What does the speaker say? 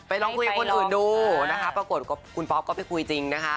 ลองคุยกับคนอื่นดูนะคะปรากฏคุณป๊อปก็ไปคุยจริงนะคะ